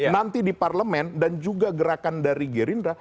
nanti di parlemen dan juga gerakan dari gerindra